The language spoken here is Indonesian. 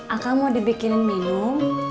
akang mau dibikinin minum